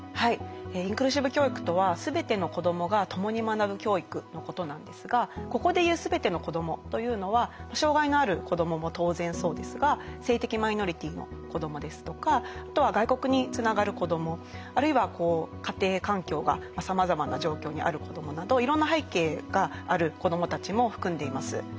インクルーシブ教育とは全ての子どもが共に学ぶ教育のことなんですがここで言う全ての子どもというのは障害のある子どもも当然そうですが性的マイノリティーの子どもですとかあとは外国につながる子どもあるいは家庭環境がさまざまな状況にある子どもなどいろんな背景がある子どもたちも含んでいます。